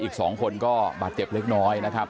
อีก๒คนก็บาดเจ็บเล็กน้อยนะครับ